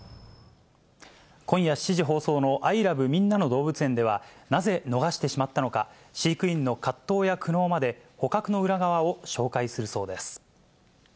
今夜７時放送のＩＬＯＶＥみんなのどうぶつ園では、なぜ逃してしまったのか、飼育員の葛藤や苦悩まで、捕獲の裏側を紹介するそうです。